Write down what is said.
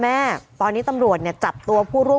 แม่ตอนนี้ตำรวจเนี่ยจับตัวผู้ร่วม